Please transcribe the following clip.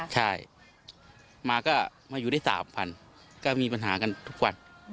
ใช่มาก็มาอยู่ได้๓๐๐ก็มีปัญหากันทุกวัน